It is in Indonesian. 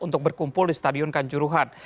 untuk berkumpul di stadion kanjuruhan